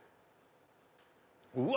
うわ！